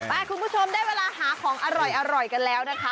คุณผู้ชมได้เวลาหาของอร่อยกันแล้วนะคะ